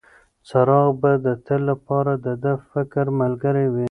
څراغ به د تل لپاره د ده د فکر ملګری وي.